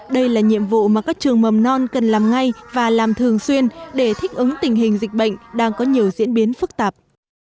đây là nhiệm vụ mà các trường mầm non cần làm ngay và làm thường xuyên để thích ứng tình hình dịch bệnh đang có nhiều diễn biến phức tạp